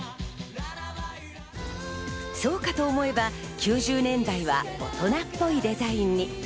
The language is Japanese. そうかと思えば９０年代は大人っぽいデザインに。